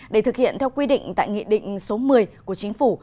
để thực hiện theo quy định tại nghị định số một mươi của chính phủ